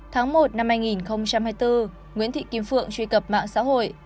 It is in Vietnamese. tháng một năm hai nghìn hai mươi bốn nguyễn thị kim phượng truy cập mạng xã hội